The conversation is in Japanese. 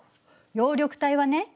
葉緑体はね